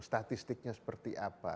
statistiknya seperti apa